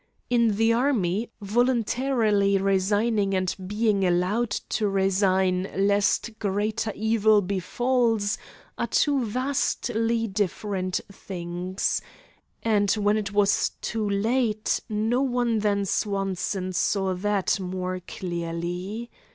In the army, voluntarily resigning and being "allowed to resign" lest greater evils befall, are two vastly different things. And when it was too late no one than Swanson saw that more clearly.